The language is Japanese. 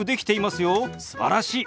すばらしい！